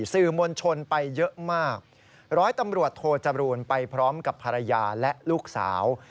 สื่อมวลชนไปเยอะมากร้อยตำรวจโทจรูนไปพร้อมกับภรรยาและลูกสาว